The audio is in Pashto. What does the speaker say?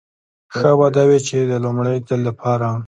ښه به دا وي چې د لومړي ځل لپاره.